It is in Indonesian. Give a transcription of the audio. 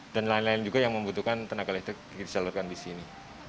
lain lain juga yang membutuhkan tenaga listrik disalurkan di sini